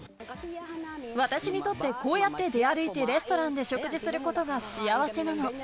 私にとってこうやって出歩いてレストランで食事することが幸せなの。